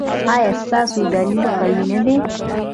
ایا ستاسو دلیل قوي نه دی؟